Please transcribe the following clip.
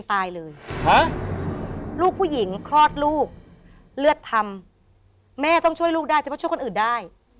แต่ถ้าช่วยคนอื่นได้